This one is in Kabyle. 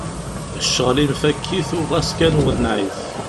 Cɣel-im fak-it u xas kan wenneɛ-it!